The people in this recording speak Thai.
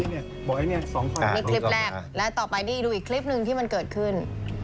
โอ้นี่เนี้ยบอกไอ้เนี้ยสองคนอ่ามีคลิปแรกและต่อไปนี่ดูอีกคลิปหนึ่งที่มันเกิดขึ้น